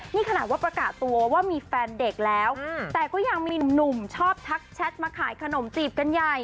นี่ขนาดว่าประกาศตัวว่ามีแฟนเด็กแล้วแต่ก็ยังมีหนุ่มชอบทักแชทมาขายขนมจีบกันใหญ่